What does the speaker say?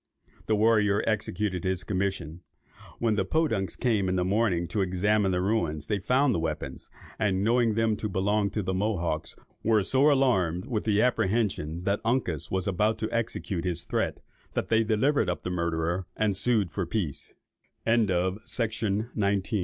The warrior executed his commission. When the Podunks came in the morning to examine the ruins they found the weapons, and knowing them to belong to the Mohawks, were so alarmed with the apprehension that Uncas was about to execute his threat, that they delivered up the murderer, and sued for